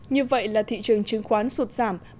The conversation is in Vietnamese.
như vậy là thị trường chứng khoán sụt giảm